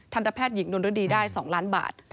ทันทะแพทย์หญิงโดนริ้ดีได้๒ล้านบาท